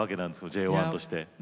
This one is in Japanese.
ＪＯ１として。